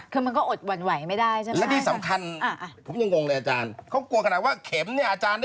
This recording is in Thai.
มีเรื่องจริงอาจารย์นี่คือเขาพูดจริงแหละอาจารย์